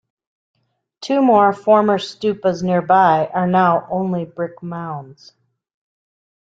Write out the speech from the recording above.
Two more former stupas nearby are now only brick mounds.